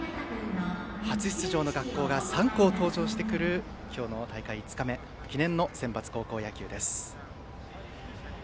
初出場の学校が３校登場してくる今日の大会５日目記念のセンバツ高校野球です。